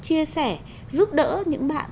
chia sẻ giúp đỡ những bạn